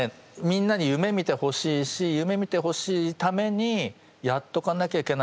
みんなに夢みてほしいし夢みてほしいためにやっとかなきゃいけないことがくそ